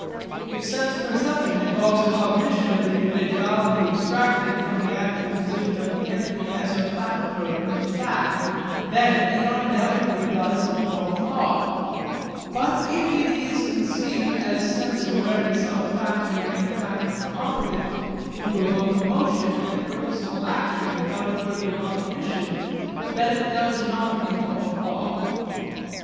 If sense perception involves a cognition of individuality abstracted from the actual position of the entity as a factor in fact, then it undoubtedly does involve thought. But if it is conceived as sense awareness of a factor in fact competent to evoke emotion and purposeful action without further cognition, then it does not involve thought.